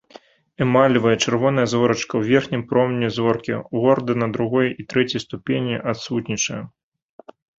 Эмалевая чырвоная зорачка ў верхнім промні зоркі ў ордэна другой і трэцяй ступені адсутнічае.